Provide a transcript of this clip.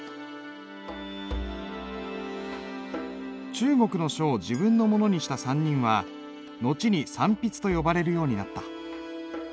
中国の書を自分のものにした３人は後に三筆と呼ばれるようになった。